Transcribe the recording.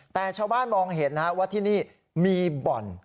แต่ชาวบ้านมองเห็นว่าที่นี่มีบ่อน